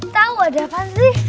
tau ada apaan sih